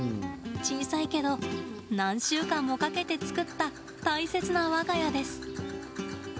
小さいけど何週間もかけて作った大切な我が家です。